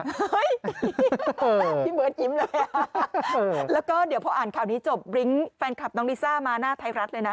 เฮ้ยพี่เบิร์ดยิ้มเลยอ่ะแล้วก็เดี๋ยวพออ่านข่าวนี้จบริ้งแฟนคลับน้องลิซ่ามาหน้าไทยรัฐเลยนะ